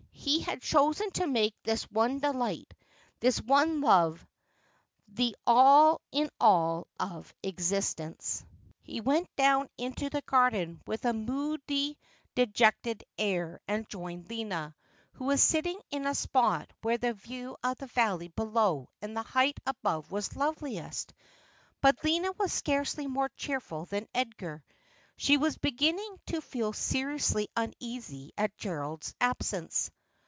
He had chosen to make this one delight, this one love, the all in all of existence. 352 Asphodel. He went down into the garden with a moody dejected air and joined Lina, who was sitting in a spot where the view of the vallej below and the height above was loveliest ; but Lina was scarcely more cheerful than Edgar. She was beginning to feel seriously uneasy at Gerald's absence.